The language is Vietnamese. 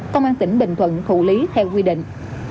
công an tỉnh bình thuận thụ lý theo quy định